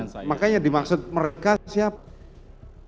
oke silahkan makanya dimaksud mereka siapa